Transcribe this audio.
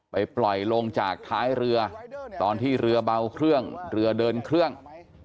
ปล่อยลงจากท้ายเรือตอนที่เรือเบาเครื่องเรือเดินเครื่อง